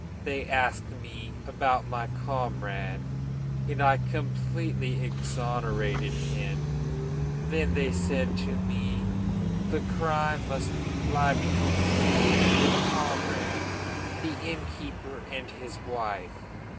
They asked me about my comrade, and I completely exonerated him. Then they said to me: 'The crime must lie between you, your comrade, the innkeeper, and his wife.